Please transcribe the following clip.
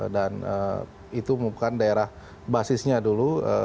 itu bukan daerah basisnya dulu